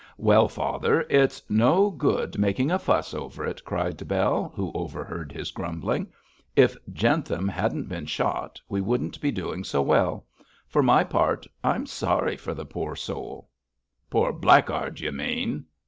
'Well, father, it's no good making a fuss over it,' cried Bell, who overheard his grumbling. 'If Jentham hadn't been shot, we wouldn't be doing so well. For my part, I'm sorry for the poor soul.' 'Poor blackguard, you mean!'